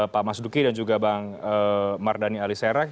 pak mas duki dan juga bang mardhani aliserak